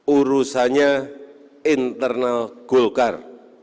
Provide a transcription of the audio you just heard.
urusannya internal golkar